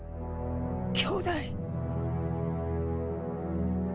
兄弟。